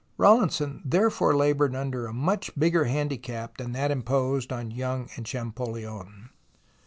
Rawlinson therefore laboured under a much bigger handicap than that imposed on Young and Champollion.